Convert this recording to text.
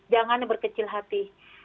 jangan berkecil hati